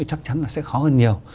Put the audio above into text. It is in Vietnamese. chắc chắn là sẽ khó hơn nhiều